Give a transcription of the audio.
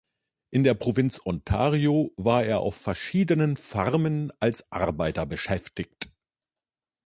In der Provinz Ontario war er auf verschiedenen Farmen als Arbeiter beschäftigt.